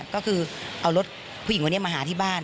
ก็คือเอารถผู้หญิงวันนี้มาหาที่บ้าน